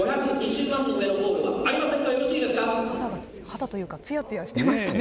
肌というか、つやつやしてましたね。